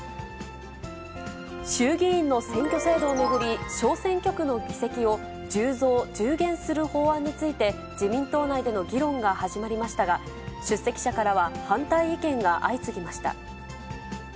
衆議院の選挙制度を巡り、小選挙区の議席を１０増１０減する法案について、自民党内での議論が始まりましたが、出席者からは反対意見が相次ぎました。